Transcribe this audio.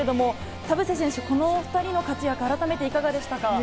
田臥選手、この２人の活躍、あらためていかがでしたか？